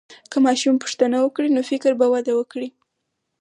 که ماشوم پوښتنه وکړي، نو فکر به وده وکړي.